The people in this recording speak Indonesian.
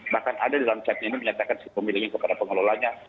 bahkan ada dalam chatnya ini menyatakan si pemiliknya kepada pengelolanya